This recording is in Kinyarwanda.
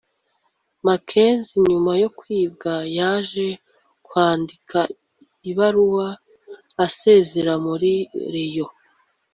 Makenzi nyuma yo kwibwa yaje kwandika ibarua asezera muri Rayon